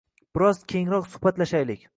biroz kengroq suhbatlashaylik.